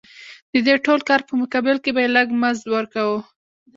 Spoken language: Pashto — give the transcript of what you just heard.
د دې ټول کار په مقابل کې به یې لږ مزد ورکاوه